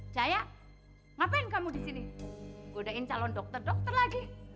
cahaya ngapain kamu di sini godain calon dokter dokter lagi